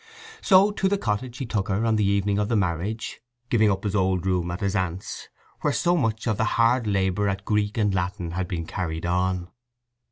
So to the cottage he took her on the evening of the marriage, giving up his old room at his aunt's—where so much of the hard labour at Greek and Latin had been carried on.